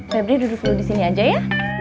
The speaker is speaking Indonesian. febri duduk dulu disini aja ya